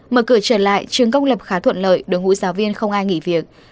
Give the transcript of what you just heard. mở cửa trở lại trường công lập khá thuận lợi đối ngũ giáo viên không ai nghỉ việc